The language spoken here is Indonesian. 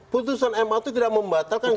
putusan ma itu tidak membatalkan